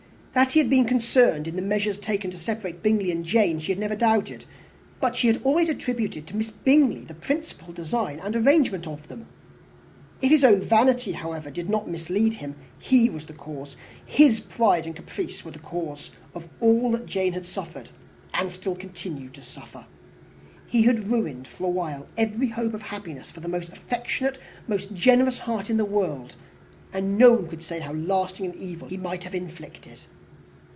That he had been concerned in the measures taken to separate Mr. Bingley and Jane, she had never doubted; but she had always attributed to Miss Bingley the principal design and arrangement of them. If his own vanity, however, did not mislead him, he was the cause his pride and caprice were the cause of all that Jane had suffered, and still continued to suffer. He had ruined for a while every hope of happiness for the most affectionate, generous heart in the world; and no one could say how lasting an evil he might have inflicted.